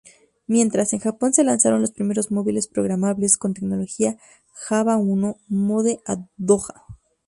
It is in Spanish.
Mientras, en Japón se lanzaron los primeros móviles programables con tecnología Java I-mode-doja.